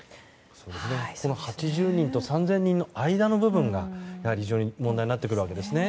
８０人と３０００人の間の部分が問題になってくるわけですね。